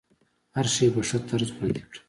هر شی په ښه طرز وړاندې کړه.